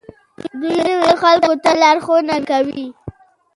دوی نویو خلکو ته لارښوونه کوي.